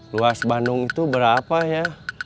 luas bandung itu berapa ya